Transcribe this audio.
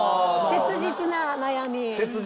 切実な悩み。